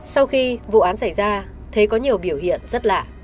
sau khi vụ án xảy ra thế có nhiều biểu hiện rất lạ